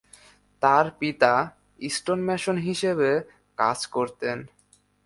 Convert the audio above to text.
তাঁর পিতা স্টোনম্যাসন হিসেবে কাজ করতেন।